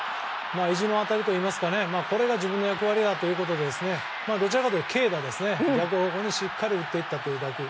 意地の当たりといいますかこれが自分の役割ということでどちらかというと軽打で逆方向にしっかり打った打球。